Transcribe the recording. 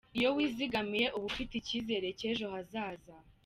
Iyo wizigamiye uba ufite icyizere cy’ejo hazaza.